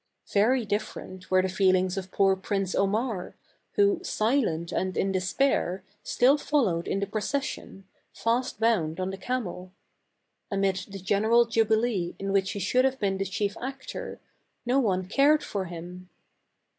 Very different were the feelings of poor Prince Omar, who, silent and in despair, still followed in the procession, fast bound on the camel. Amid the general jubilee in which he should have been the chief actor, no one cared for him.